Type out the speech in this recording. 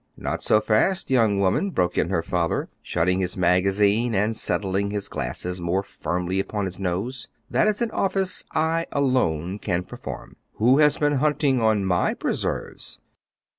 "Not so fast, young woman," broke in her father, shutting his magazine and settling his glasses more firmly upon his nose; "that is an office I alone can perform. Who has been hunting on my preserves?"